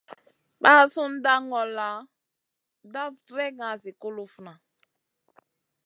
Ɓasunda ŋolda daf dregŋa zi kulufna.